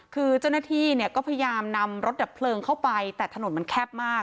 คือเจ้าหน้าที่เนี่ยก็พยายามนำรถดับเพลิงเข้าไปแต่ถนนมันแคบมาก